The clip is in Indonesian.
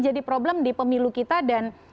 jadi problem di pemilu kita dan